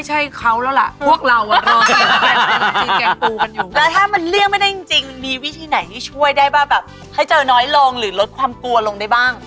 จริงมีวิธีไหนที่ช่วยได้บ้างแบบให้เจอน้อยลงหรือลดความกลัวลงได้บ้าง